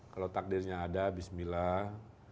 kalau takdirnya ada bismillah